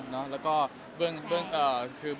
จะไม่ต้องห่างหวกเธอแย่